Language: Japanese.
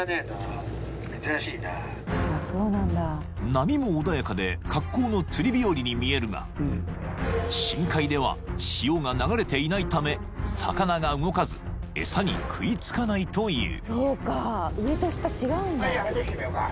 ［波も穏やかで格好の釣り日和に見えるが深海では潮が流れていないため魚が動かず餌に食い付かないという］